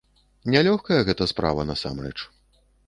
Нялёгкая гэта справа насамрэч.